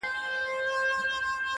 د خان د کوره خو پخه نۀ راځي -